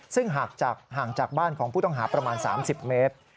ซึ่งห่างจากบ้านของผู้ต้องหาประมาณ๓๐เมตร